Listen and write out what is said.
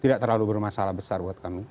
tidak terlalu bermasalah besar buat kami